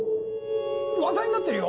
話題になってるよ